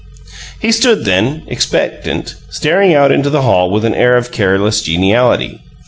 He stood then, expectant, staring out into the hall with an air of careless geniality.